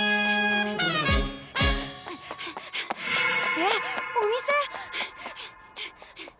えっお店！？